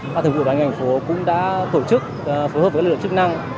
qua thường vụ đoàn thành phố cũng đã tổ chức phối hợp với lực lượng chức năng